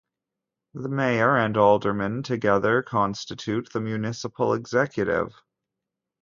The mayor and aldermen together constitute the municipal executive.